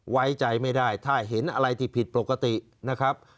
ไว้ใจไม่ได้ถ้าเห็นอะไรที่ผิดปกตินะครับ